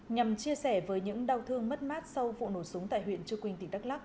nhằm chia sẻ với những đau thương mất mát sau vụ nổ súng tại huyện trương quỳnh tỉnh đắk lắk